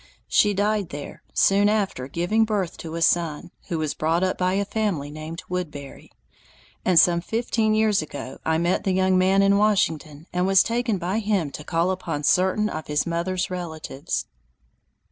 She died there, soon after giving birth to a son, who was brought up by a family named Woodbury; and some fifteen years ago I met the young man in Washington and was taken by him to call upon certain of his mother's relatives.